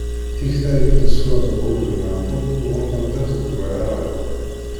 Tikta-agi n ṣwab akked lmeɛqul uɣent amḍiq deg wallaɣ-iw.